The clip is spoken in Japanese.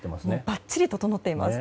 ばっちり整っています。